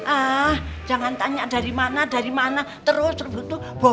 ah jangan tanya dari mana dari mana terus terus terus bosan